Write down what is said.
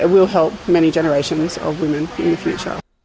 tapi akan membantu banyak generasi perempuan di masa depan